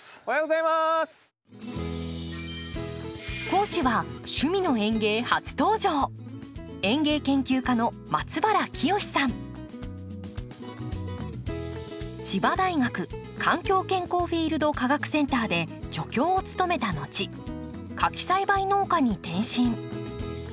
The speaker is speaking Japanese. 講師は「趣味の園芸」初登場千葉大学環境健康フィールド科学センターで助教を務めた後花き栽培農家に転身。